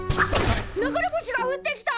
流れ星が降ってきた！